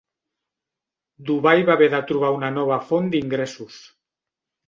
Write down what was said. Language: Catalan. Dubai va haver de trobar una nova font d’ingressos.